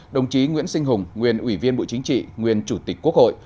đồng chí nguyễn sinh hùng nguyên ủy viên bộ chính trị nguyên chủ tịch quốc hội